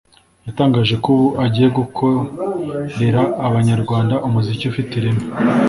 yatangaje ko ubu agiye gukorera abanyarwanda umuziki ufite ireme